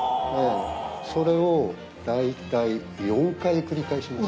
それを大体４回繰り返します。